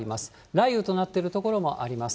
雷雨となっている所もあります。